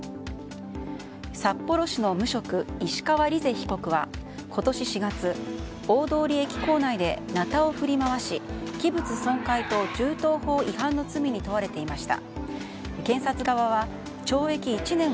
札幌市の無職、石川莉世被告は今年４月、大通駅構内でなたを振り回し、器物損壊と銃刀法違反の罪に問われていました。